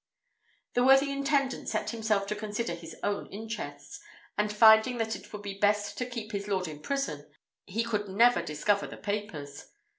The worthy intendant set himself to consider his own interests, and finding that it would be best to keep his lord in prison, he could never discover the papers.